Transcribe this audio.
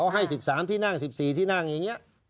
ให้๑๓ที่นั่ง๑๔ที่นั่งอย่างนี้